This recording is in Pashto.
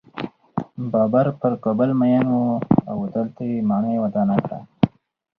بابر پر کابل مین و او دلته یې ماڼۍ ودانه کړه.